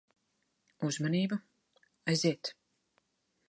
Uzmanību. Aiziet.